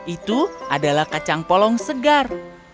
itu adalah kacang polong segar